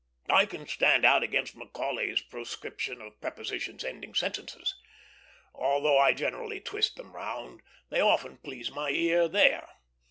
I can stand out against Macaulay's proscription of prepositions ending sentences. Although I generally twist them round, they often please my ear there.